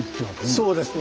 そうですね。